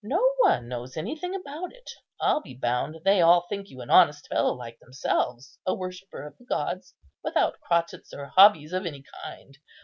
no one knows anything about it. I'll be bound they all think you an honest fellow like themselves, a worshipper of the gods, without crotchets or hobbies of any kind.